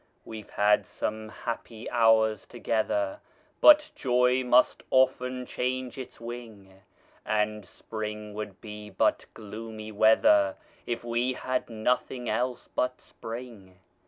We've had some happy hours together, But joy must often change its wing; And spring would be but gloomy weather, If we had nothing else but spring.